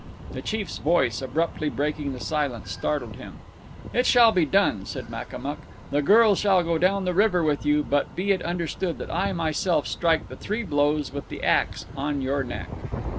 The chief's voice, abruptly breaking the silence, startled him "It shall be done," said Makamuk. "The girl shall go down the river with you. But be it understood that I myself strike the three blows with the axe on your neck."